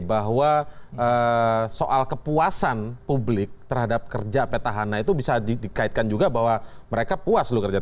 bahwa soal kepuasan publik terhadap kerja petahana itu bisa dikaitkan juga bahwa mereka puas loh kerja